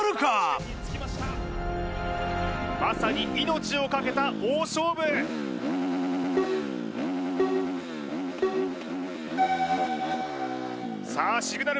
まさに命を懸けた大勝負さあシグナル